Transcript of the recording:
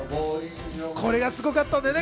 これがすごかったんだよね！